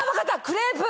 クレープ！